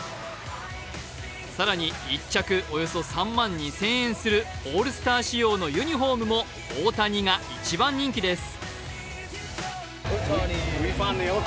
更に１着およそ３万２０００円するオールスター仕様のユニフォームも大谷が一番人気です。